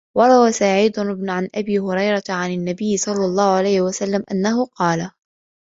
وَرَوَى سَعِيدٌ عَنْ أَبِي هُرَيْرَةَ عَنْ النَّبِيِّ صَلَّى اللَّهُ عَلَيْهِ وَسَلَّمَ أَنَّهُ قَالَ